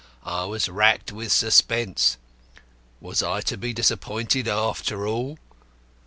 I was racked with suspense. Was I to be disappointed after all?